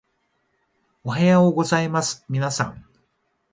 おはようございますみなさん